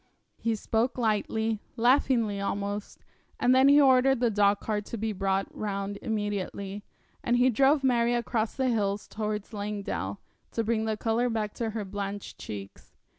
He spoke lightly, laughingly almost, and then he ordered the dogcart to be brought round immediately, and he drove Mary across the hills towards Langdale, to bring the colour back to her blanched cheeks.